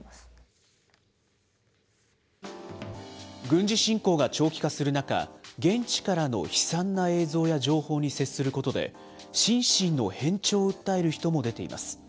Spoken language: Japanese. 軍事侵攻が長期化する中、現地からの悲惨な映像や情報に接することで、心身の変調を訴える人も出ています。